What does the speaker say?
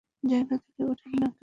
জায়গা থেকে উঠেন না কেউ।